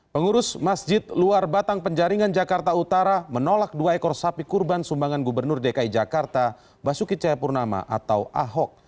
pengurus masjid luar batang penjaringan jakarta utara menolak dua ekor sapi kurban sumbangan gubernur dki jakarta basuki cahayapurnama atau ahok